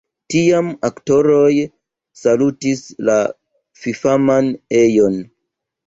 Tiam aktoroj salutis la fifaman ejon.